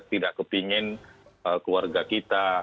tidak kepingin keluarga kita